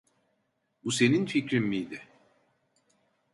Bu senin fikrin miydi?